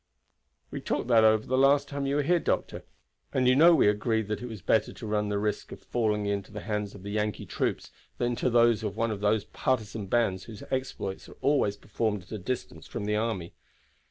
"We talked that over the last time you were here, doctor, and you know we agreed it was better to run the risk of falling into the hands of the Yankee troops than into those of one of those partisan bands whose exploits are always performed at a distance from the army.